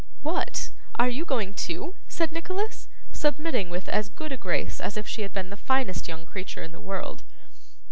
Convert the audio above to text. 'What! Are you going too?' said Nicholas, submitting with as good a grace as if she had been the finest young creature in the world.